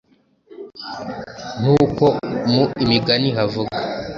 nkuko mu Imigani havuga.